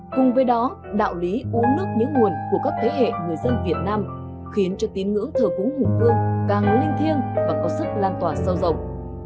cùng với đó đạo lý uống nước nhớ nguồn của các thế hệ người dân việt nam khiến cho tín ngưỡng thờ cúng hùng vương càng linh thiêng và có sức lan tỏa sâu rộng